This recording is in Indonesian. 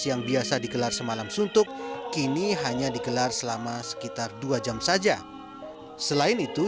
yang biasa digelar semalam suntuk kini hanya digelar selama sekitar dua jam saja selain itu